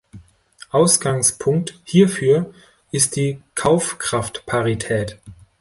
Ausgangspunkt hierfür ist die Kaufkraftparität.